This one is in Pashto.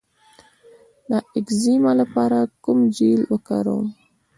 د اکزیما لپاره کوم جیل وکاروم؟